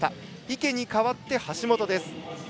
池に代わって橋本です。